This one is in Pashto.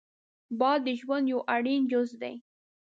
باد د ژوند یو اړین جز دی